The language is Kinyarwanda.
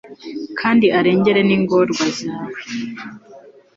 kandi arengere n'ingorwa zawe